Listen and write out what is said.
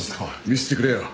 見せてくれよ。